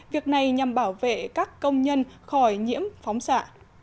việc này nhằm bảo vệ các công nhân khỏi nhiễm phóng xạ